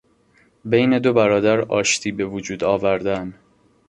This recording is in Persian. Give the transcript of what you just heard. بین دو برادر آشتی به وجود آوردن